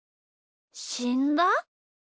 しんだ？